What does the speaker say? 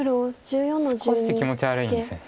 少し気持ち悪いんです。